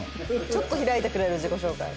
ちょっと開いてくれる自己紹介。